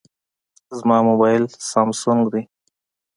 زما موبایل سامسونګ دی.